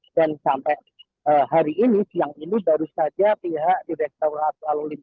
dan sampai hari ini siang ini baru saja pihak direkturat alulim